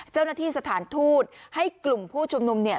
เจ้าหน้าที่สถานทูตให้กลุ่มผู้ชุมนุมเนี่ย